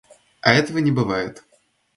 А этого не бывает.